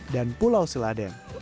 dan pulau seladen